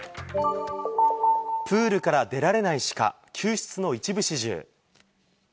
プールから出られないシカ、救出の一部始終。